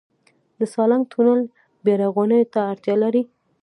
د سالنګ تونل بیارغونې ته اړتیا لري؟